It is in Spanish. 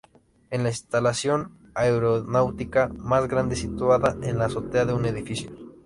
Es la instalación aeronáutica más grande situada en la azotea de un edificio.